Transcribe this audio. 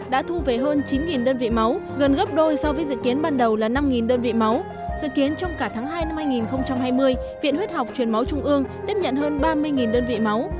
dự kiến trong cả tháng hai năm hai nghìn hai mươi viện huyết học truyền máu trung ương tiếp nhận hơn ba mươi đơn vị máu